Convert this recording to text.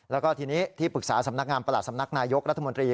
แล้วก็ทีนี้ที่ปรึกษาสำนักงานประหลัดสำนักนายกรัฐมนตรี